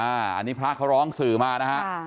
อันนี้พระเขาร้องสื่อมานะฮะ